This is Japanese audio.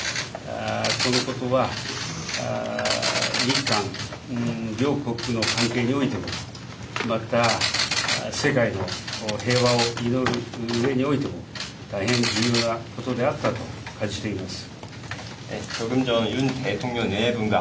このことは、日韓両国の関係において、また、世界の平和を祈るうえにおいても、大変重要なことであったと感じています。